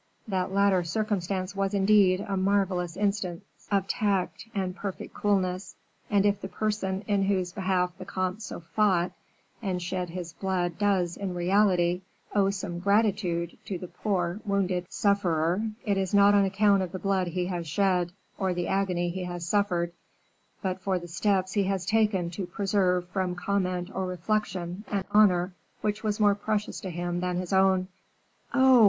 That latter circumstance was, indeed, a marvelous instance of tact and perfect coolness, and if the person in whose behalf the comte so fought and shed his blood does, in reality, owe some gratitude to the poor wounded sufferer, it is not on account of the blood he has shed, or the agony he has suffered, but for the steps he has taken to preserve from comment or reflection an honor which is more precious to him than his own." "Oh!"